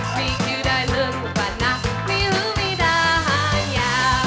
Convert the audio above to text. มีชีวิตได้หนึ่งล่ะกว่านั้นมีหลุ่นไม่ได้อ่านยัน